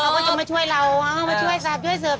ก็จะมาช่วยเรามาช่วยสัตว์ช่วยเสิร์ฟ